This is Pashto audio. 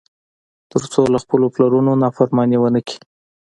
تر څو له خپلو پلرونو نافرماني ونه کړي.